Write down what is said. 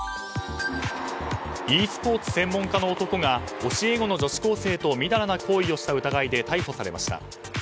ｅスポーツ専門家の男が教え子の女子高生とみだらな行為をした疑いで逮捕されました。